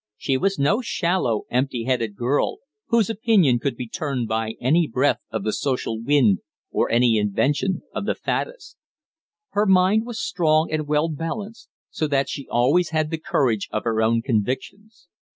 She was no shallow, empty headed girl, whose opinion could be turned by any breath of the social wind or any invention of the faddists; her mind was strong and well balanced, so that she always had the courage of her own convictions.